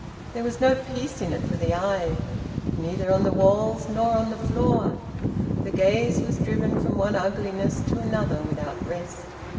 There was no peace in it for the eye, neither on the walls nor on the floor. The gaze was driven from one ugliness to another without rest.